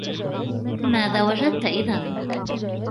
ماذا وجدت إذا؟